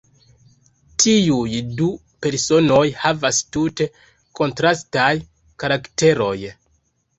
Tiuj du personoj havas tute kontrastaj karakteroj.